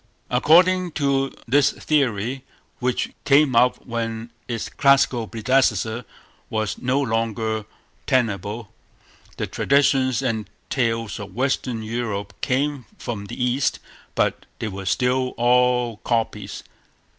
According to this theory, which came up when its classical predecessor was no longer tenable, the traditions and tales of Western Europe came from the East, but they were still all copies.